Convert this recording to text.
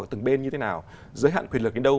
từng bên như thế nào giới hạn quyền lực đến đâu